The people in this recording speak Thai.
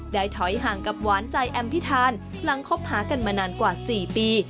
ถอยห่างกับหวานใจแอมพิธานหลังคบหากันมานานกว่า๔ปี